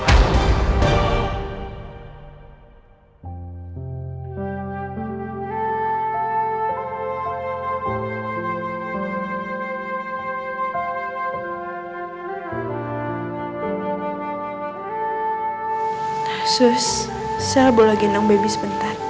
sus saya boleh gendong baby sebentar